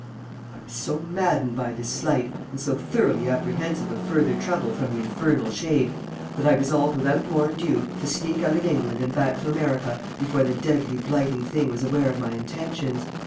I was so maddened by this slight, and so thoroughly apprehensive of further trouble from the infernal shade, that I resolved without more ado to sneak out of England and back to America before the deadly blighting thing was aware of my intentions.